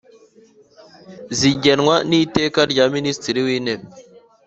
zigenwa n Iteka rya Minisitiri w Intebe